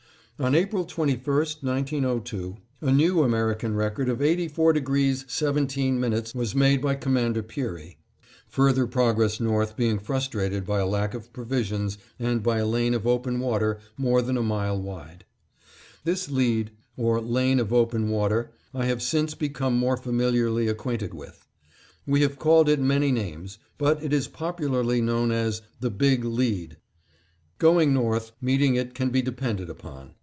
On April 21, 1902, a new American record of 84° 17' was made by Commander Peary, further progress north being frustrated by a lack of provisions and by a lane of open water, more than a mile wide. This lead or lane of open water I have since become more familiarly acquainted with. We have called it many names, but it is popularly known as the "Big Lead." Going north, meeting it can be depended upon.